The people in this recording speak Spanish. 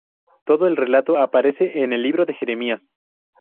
Todo el relato aparece en el Libro de Jeremías.